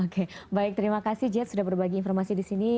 oke baik terima kasih jad sudah berbagi informasi disini